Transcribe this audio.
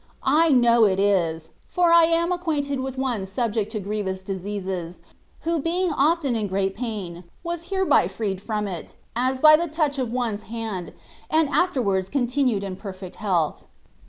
I know it is, for I am acquainted with one subject to grievous diseases, who being often in great pain, was hereby freed from it, as by the touch of one's hand, and afterwards continued in perfect health.